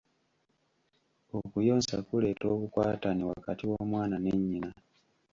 Okuyonsa kuleeta obukwatane wakati w'omwana ne nnyina.